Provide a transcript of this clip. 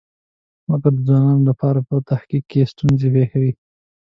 مګر د ځوانانو لپاره په تحقیق کې ستونزه پېښوي.